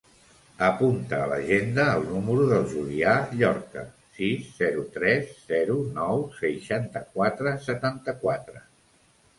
Apunta a l'agenda el número del Julià Llorca: sis, zero, tres, zero, nou, seixanta-quatre, setanta-quatre.